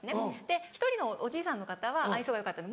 で１人のおじいさんの方は愛想がよかった。